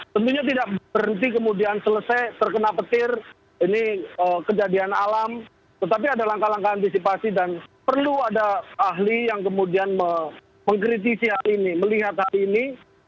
tentunya tidak berhenti kemudian selesai terkena petir ini kejadian alam tetapi ada langkah langkah antisipasi dan perlu ada ahli yang kemudian mengkritisi hal ini melihat hal ini